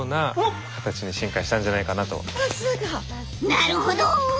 なるほど！